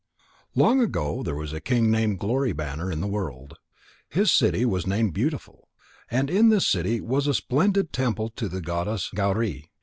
Long ago there was a king named Glory banner in the world. His city was named Beautiful. And in this city was a splendid temple to the goddess Gauri.